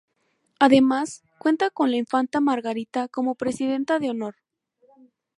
Además, cuenta con la Infanta Margarita como Presidenta de Honor.